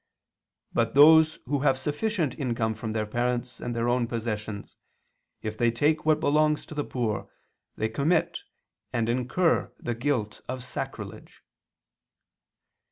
But those who have sufficient income from their parents and their own possessions, if they take what belongs to the poor, they commit and incur the guilt of sacrilege."